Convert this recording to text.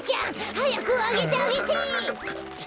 はやくあげてあげて！